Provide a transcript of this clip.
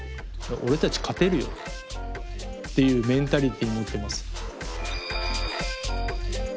俺たち勝てるよっていうメンタリティー持ってます。